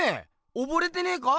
おぼれてねえか？